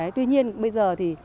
tuy nhiên bây giờ thì